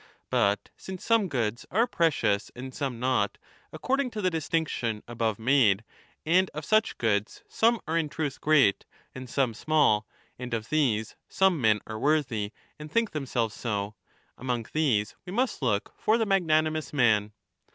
> But since some goods are precious and some not,*' according to the distinction above ' made, and of such goods some are in truth great and some small, and of these some men are worthy and think them 30 selves so, among these we must look for the magnanimous man.